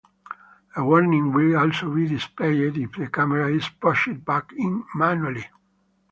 A warning will also be displayed if the camera is pushed back in manually.